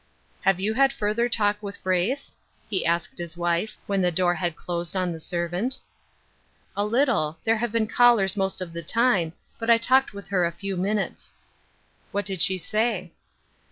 " Have you had further talk with Grace ?" he asked his wife, when the door had closed on the servant. " A little. There have been callers most of the time, but I talked with her a few minutes.'* " What did she say